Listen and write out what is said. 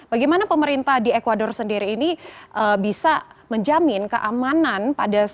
bagaimana pemerintah di ecuador sendiri ini bisa menjamin keamanan pada dua puluh agustus